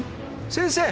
先生！